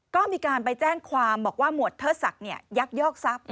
ก็มีการไปแจ้งความบอกว่าหมวดเทิดศักดิ์ยักยอกทรัพย์